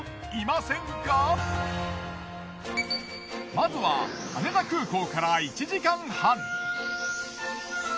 まずは羽田空港から１時間半。